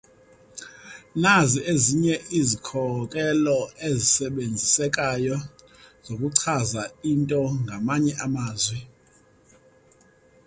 Nazi ezinye izikhokelo ezisebenzisekayo zokuchaza into ngamanye amazwi.